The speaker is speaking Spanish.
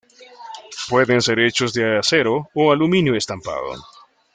Pueden ser hechos de acero o aluminio estampado.